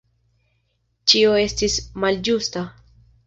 Ĉio estis malĝusta.